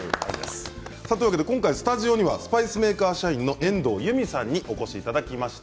今回スタジオにはスパイスメーカー社員の遠藤由美さんにお越しいただきました。